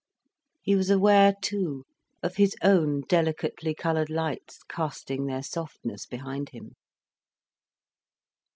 He was aware, too, of his own delicately coloured lights casting their softness behind him.